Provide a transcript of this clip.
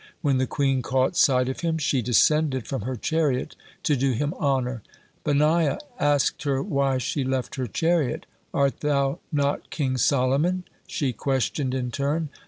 When the queen caught sight of him, she descended from her chariot to do him honor. Benaiah asked her why she left her chariot. "Art thou not King Solomon?" she questioned in turn.